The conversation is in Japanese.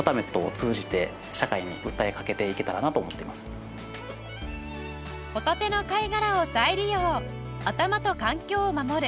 南原さんがホタテの貝殻を再利用頭と環境を守る